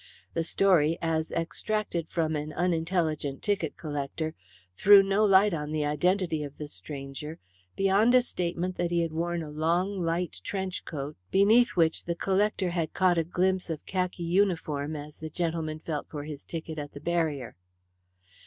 The story, as extracted from an unintelligent ticket collector, threw no light on the identity of the stranger beyond a statement that he had worn a long light trench coat, beneath which the collector had caught a glimpse of khaki uniform as the gentleman felt for his ticket at the barrier.